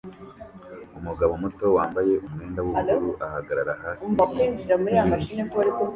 Umukobwa muto wambaye umwenda wubururu ahagarara hafi yinkingi